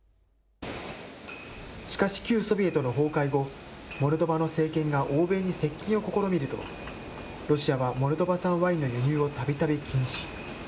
しかし旧ソビエトの崩壊後、モルドバの政権が欧米に接近を試みると、ロシアはモルドバ産ワインの輸入をたびたび禁止。